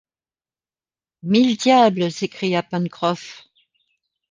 Mille diables s’écria Pencroff